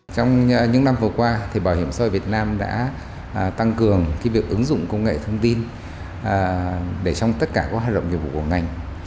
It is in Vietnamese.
trong những năm vừa qua bảo hiểm xã hội việt nam đã tăng cường việc ứng dụng công nghệ thông tin để trong tất cả các hoạt động nghiệp vụ của ngành